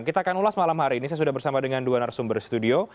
kita akan ulas malam hari ini saya sudah bersama dengan dua narasumber studio